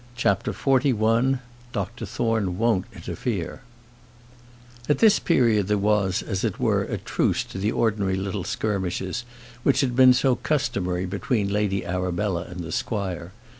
CHAPTER XLI Doctor Thorne Won't Interfere At this period there was, as it were, a truce to the ordinary little skirmishes which had been so customary between Lady Arabella and the squire.